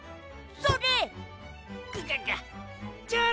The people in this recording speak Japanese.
それ！